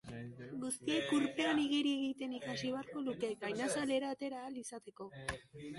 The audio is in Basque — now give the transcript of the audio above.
Guztiek urpean igeri egiten ikasi beharko luke, gainazalera atera ahal izateko.